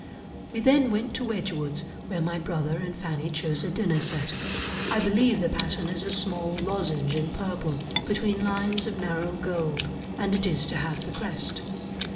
"We then went to Wedgwood's where my brother and Fanny chose a dinner set. I believe the pattern is a small lozenge in purple, between lines of narrow gold, and it is to have the crest."